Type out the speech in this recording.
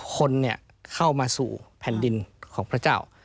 คนเข้ามาสู่แผ่นดินของพระเจ้า